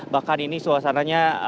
bahkan ini suasananya